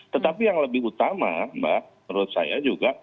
tetapi yang lebih utama mbak menurut saya juga